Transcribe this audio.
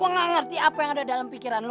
wan gua nggak ngerti apa yang ada dalam pikiran lu